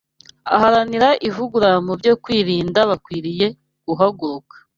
Abaharanira ivugurura mu byo kwirinda bakwiriye gukanguka